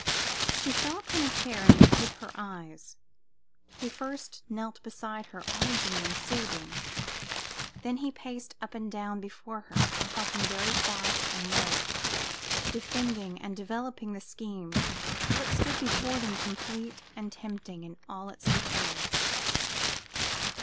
She fell upon a chair and hid her eyes. He first knelt beside her, arguing and soothing; then he paced up and down before her, talking very fast and low, defending and developing the scheme, till it stood before them complete and tempting in all its details.